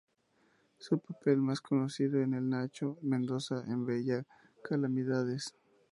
Su papel más conocido es el de Nacho Mendoza, en Bella Calamidades